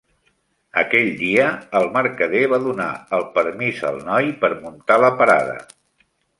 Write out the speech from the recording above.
Aquell dia, el mercader va donar el permís al noi per muntar la parada.